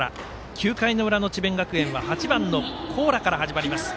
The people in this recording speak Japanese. ９回の裏の智弁学園は８番の高良から始まります。